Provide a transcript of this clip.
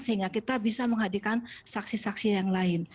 sehingga kita bisa menghadirkan saksi saksi yang lain